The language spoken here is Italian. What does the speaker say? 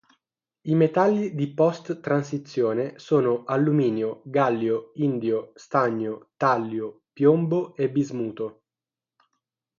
I metalli di post-transizione sono alluminio, gallio, indio, stagno, tallio, piombo e bismuto.